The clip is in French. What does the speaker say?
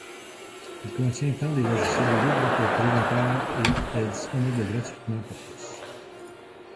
Il contient tant des logiciels libres que privateurs et est disponible gratuitement pour tous.